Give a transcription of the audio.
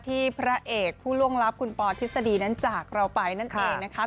พระเอกผู้ล่วงลับคุณปอทฤษฎีนั้นจากเราไปนั่นเองนะคะ